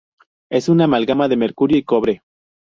Es una amalgama de mercurio y cobre.